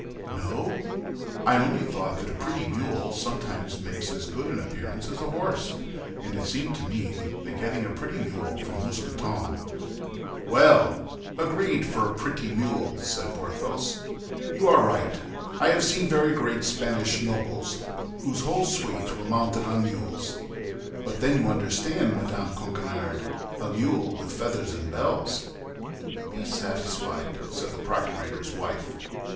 "No; I only thought that a pretty mule makes sometimes as good an appearance as a horse, and it seemed to me that by getting a pretty mule for Mousqueton—" "Well, agreed for a pretty mule," said Porthos; "you are right, I have seen very great Spanish nobles whose whole suite were mounted on mules. But then you understand, Madame Coquenard, a mule with feathers and bells." "Be satisfied," said the procurator's wife.